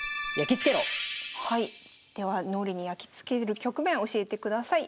では脳裏にやきつける局面教えてください。